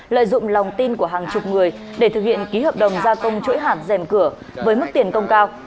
lợi dụng lòng tin của hàng chục người để thực hiện ký hợp đồng gia công chuỗi hạt dèm cửa với mức tiền công cao